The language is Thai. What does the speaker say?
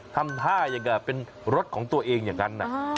ทำท่าอย่างกับเป็นรถของตัวเองอย่างนั้น